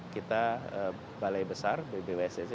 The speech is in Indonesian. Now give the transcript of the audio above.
kita balai besar bws cc